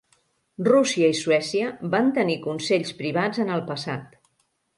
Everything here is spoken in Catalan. Rússia i Suècia van tenir Consells Privats en el passat.